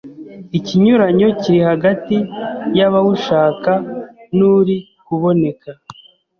ikinyuranyo kiri hagati y'abawushaka n'uri kuboneka.